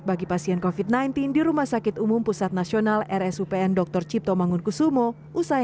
bagi pasien kofit sembilan belas di rumah sakit umum pusat nasional rs upn dr cipto mangun kusumo usai